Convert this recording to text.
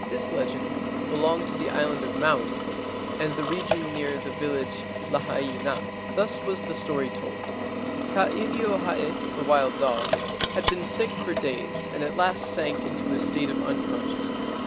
This legend belonged to the island of Maui and the region near the village Lahaina. Thus was the story told: Ka ilio hae (the wild dog) had been sick for days and at last sank into a state of unconscious¬ ness.